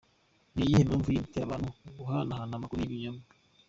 Ni iyihe mpamvu yindi itera abantu guhanahana amakuru y'ibinyoma?.